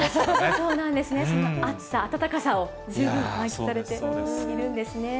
そうなんですね、その暑さ、暖かさを十分満喫されているんですね。